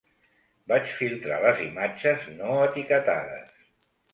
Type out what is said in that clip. Vaig filtrar les imatges no etiquetades.